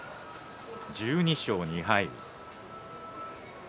１２勝２敗。